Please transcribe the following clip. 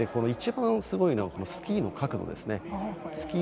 一番すごいのはスキーの角度ですね。